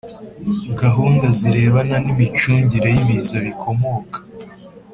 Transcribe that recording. Gahunda zirebana n imicungire y ibiza bikomoka